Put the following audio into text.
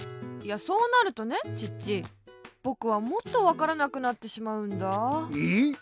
いやそうなるとねチッチぼくはもっとわからなくなってしまうんだ。え？